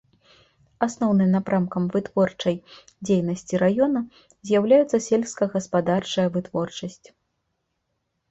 Асноўным напрамкам вытворчай дзейнасці раёна з'яўляецца сельскагаспадарчая вытворчасць.